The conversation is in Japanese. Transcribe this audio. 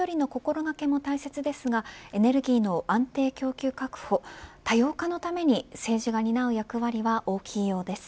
もちろん、ひとりひとりの心掛けも大切ですがエネルギーの安定供給確保多様化のために政治が担う役割は大きいようです。